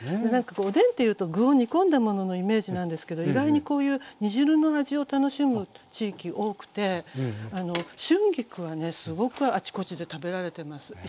何かおでんっていうと具を煮込んだもののイメージなんですけど意外にこういう煮汁の味を楽しむ地域多くて春菊はねすごくあちこちで食べられてます。